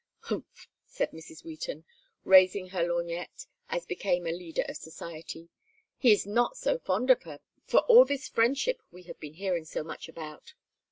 "Humph!" said Mrs. Wheaton, raising her lorgnette, as became a leader of society. "He is not so fond of her, for all this friendship we have been hearing so much about.